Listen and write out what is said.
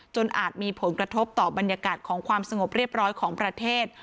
อาจมีผลกระทบต่อบรรยากาศของความสงบเรียบร้อยของประเทศ